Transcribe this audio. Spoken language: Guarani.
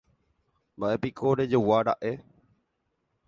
Mba'épiko rejoguára'e.